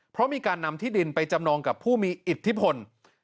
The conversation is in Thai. เพราะมีการนำที่ดินไปจำนองกับผู้มีอิทธิพล